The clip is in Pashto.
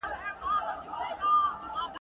چي اغزن دي هر یو خیال وي له بیابان سره همزولی,